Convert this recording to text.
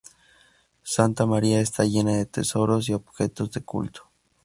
Santa María está llena de tesoros y objetos de culto.